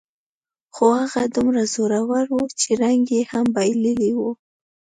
خو هغه دومره زوړ و، چې رنګ یې هم بایللی و.